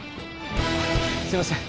すいません